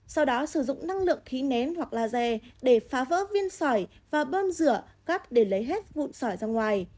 sau đó sử dụng năng lượng khí nén hoặc laser để phá vỡ viên sỏi và bơm rửa cắt để lấy hết vụn sỏi ra ngoài